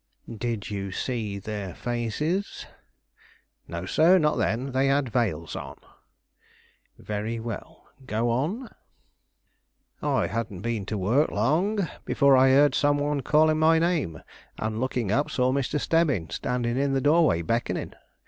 "Did you see their faces?" "No, sir; not then. They had veils on." "Very well, go on." "I hadn't been to work long, before I heard some one calling my name, and looking up, saw Mr. Stebbins standing in the doorway beckoning.